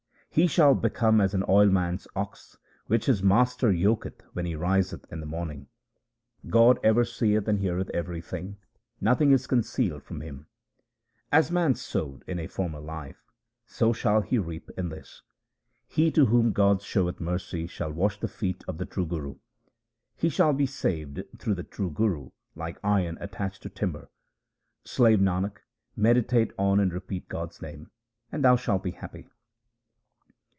He shall become as an oilman's ox which his master yoketh when he riseth in the morning. God ever seeth and heareth everything ; nothing is con cealed from Him. As man sowed in a former life, so shall he reap in this. He to whom God showeth mercy shall wash the feet of the true Guru ; He shall be saved through the true Guru like iron attached to timber. Slave Nanak, meditate on and repeat God's name and thou shalt be happy.